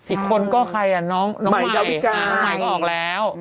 อีกคนก็ใครอ่ะน้องใหม่ก็ออกแล้ว